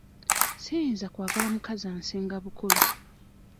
Siyinza kwagala mukazi ansinga bukulu.